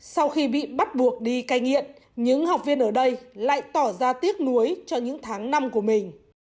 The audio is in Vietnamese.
sau khi bị bắt buộc đi cai nghiện những học viên ở đây lại tỏ ra tiếc nuối cho những tháng năm của mình